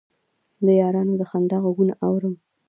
د یارانو د خندا غـږونه اورم